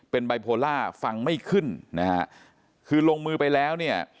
เป็นไบโพล่าฟังไม่ขึ้นนะฮะคือลงมือไปแล้วเนี่ย